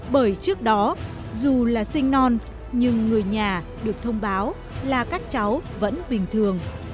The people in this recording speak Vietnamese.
bởi trước đó dù là sinh non nhưng người nhà được thông báo là các cháu vẫn bình thường